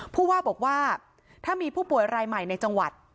เพราะว่าถ้ามีผู้ป่วยรายใหม่ในจังหวัด